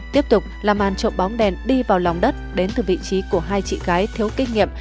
tiếp tục làm ăn trộm bóng đèn đi vào lòng đất đến từ vị trí của hai chị gái thiếu kinh nghiệm